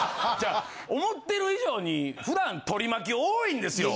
思ってる以上に普段取り巻き多いんですよ。